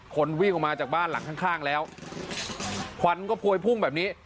คนวิ่งออกมาจากบ้านหลังข้างข้างแล้วควันก็พวยพุ่งแบบนี้